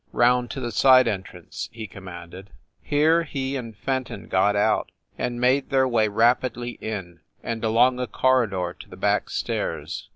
"Round to the side entrance!" he commanded. Here he and Fenton got out, and made their way rapidly in, and along a corridor to the back stairs.